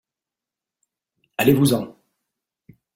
Allez-vous en !